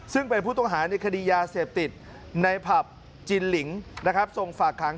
ซึ่งเป็นผู้ต้องหาในคดียาเสพติดในผับจินหลิงนะครับส่งฝากขัง